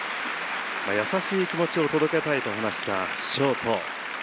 優しい気持ちを届けたいと話したショート。